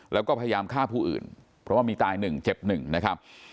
แล้วก็พยายามฆ่าผู้อื่นเพราะว่ามีตายหนึ่งเจ็บหนึ่งนะครับ